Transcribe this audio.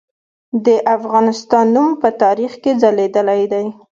د افغانستان نوم په تاریخ کې ځلیدلی دی.